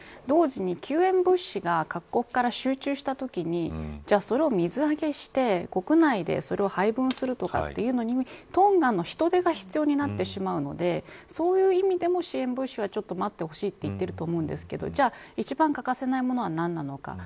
同時に救援物資が各国から集中したときにそれを水揚げして、国内で配分するとかっていうのにトンガの人手が必要になってしまうのでそういう意味でも支援物資はちょっと待ってほしいと言ってると思うんですけど一番欠かせないものは何なのか。